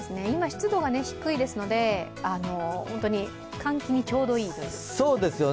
今、湿度が低いですので、換気にちょうどいいという。